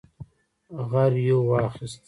غريو واخيست.